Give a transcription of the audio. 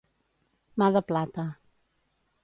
Mà de plata.